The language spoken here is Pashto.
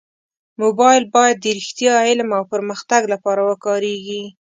موبایل باید د رښتیا، علم او پرمختګ لپاره وکارېږي.